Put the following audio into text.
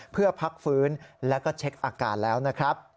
เพื่อพักฟื้นแล้วก็เช็คอาการแล้วนะครับ